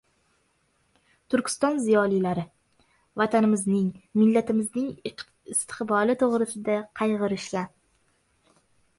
Turkiston ziyolilari, Vatanimizning, millatimizning istiqboli to‘g‘risida qayg‘urishgan.